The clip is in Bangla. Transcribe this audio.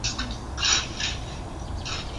আমি তোমার কাছে আসার চেষ্টা করছি - সে কোথায়?